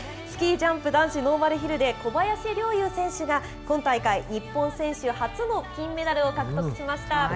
スキージャンプ男子ノーマルヒルで小林陵侑選手が、今大会、日本選手初の金メダルを獲得しました。